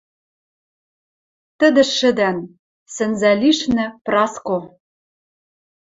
Тӹдӹ шӹдӓн. Сӹнзӓ лишнӹ — Праско